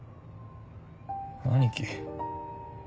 兄貴。